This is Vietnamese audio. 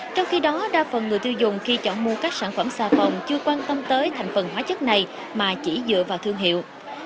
trong khi đó đa phần người tiêu dùng khi chọn mua các sản phẩm xà phòng chưa quan tâm tới thành phần hóa chất này mà chỉ dựa vào thương hiệu